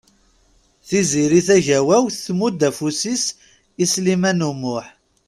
Tiziri Tagawawt tmudd afus i Sliman U Muḥ.